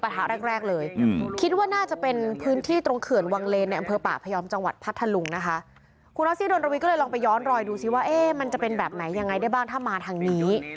ต้องเขินวังเลนในอำเภอป่าพยอมจังหวัดพัทธลุงคุณออสซี่โดนลวีก็เลยลองไปย้อนรอยดูสิว่ามันจะเป็นแบบไหนยังไงได้บ้างถ้ามาทางนี้